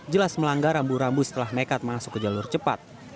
jelas melanggar rambu rambu setelah nekat masuk ke jalur cepat